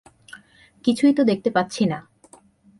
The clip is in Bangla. কিছু তো দেখতে পাচ্ছি না।